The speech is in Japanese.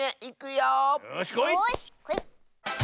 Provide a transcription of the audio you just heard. よしこい！